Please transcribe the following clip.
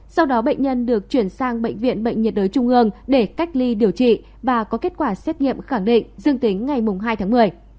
sau đó bệnh nhân được chuyển sang bệnh viện bệnh nhiệt đới trung ương để cách ly điều trị và có kết quả xét nghiệm khẳng định dương tính ngày hai tháng một mươi